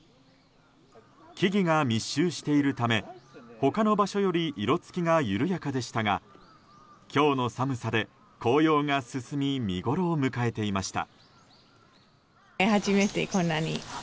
木々が密集しているため他の場所より色付きが緩やかでしたが今日の寒さで紅葉が進み見ごろを迎えていました。